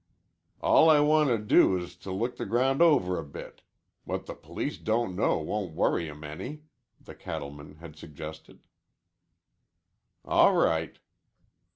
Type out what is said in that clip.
"All I want to do is to look the ground over a bit. What the police don't know won't worry 'em any," the cattleman had suggested. "All right."